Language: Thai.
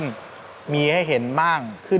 ไม่มีพวกมันเกี่ยวกับพวกเรา